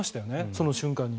その瞬間に。